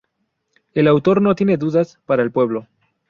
El autor no tiene dudas, para el pueblo.